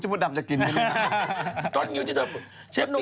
จากกระแสของละครกรุเปสันนิวาสนะฮะ